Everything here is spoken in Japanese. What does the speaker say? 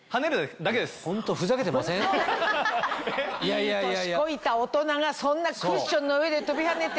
いい年こいた大人がそんなクッションの上で跳びはねて。